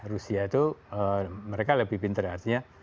rusia itu mereka lebih pinter artinya